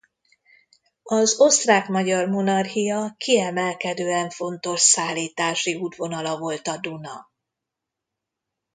Az Osztrák–Magyar Monarchia kiemelkedően fontos szállítási útvonala volt a Duna.